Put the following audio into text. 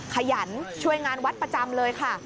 ขยันช่วยงานวัดประจำเลยค่ะ